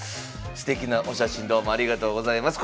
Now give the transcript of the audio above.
すてきなお写真どうもありがとうございます。